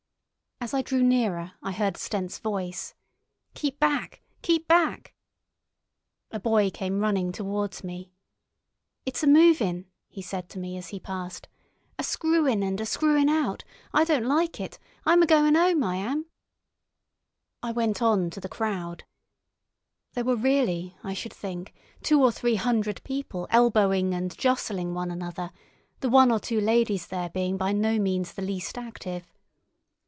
As I drew nearer I heard Stent's voice: "Keep back! Keep back!" A boy came running towards me. "It's a movin'," he said to me as he passed; "a screwin' and a screwin' out. I don't like it. I'm a goin' 'ome, I am." I went on to the crowd. There were really, I should think, two or three hundred people elbowing and jostling one another, the one or two ladies there being by no means the least active.